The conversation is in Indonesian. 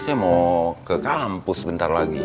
saya mau ke kampus sebentar lagi